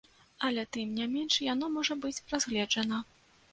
Але, тым не менш, яно можа быць разгледжана.